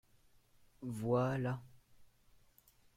Voilà.